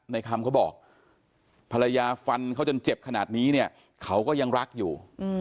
คำเขาบอกภรรยาฟันเขาจนเจ็บขนาดนี้เนี่ยเขาก็ยังรักอยู่